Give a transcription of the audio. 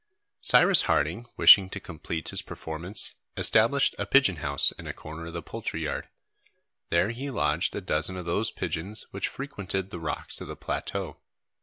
Cyrus Harding, wishing to complete his performance, established a pigeon house in a corner of the poultry yard. There he lodged a dozen of those pigeons which frequented the rocks of the plateau.